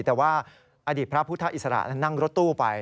แต่ว่าอดีตพระพุทธอิสระนั่งรถตู้ไป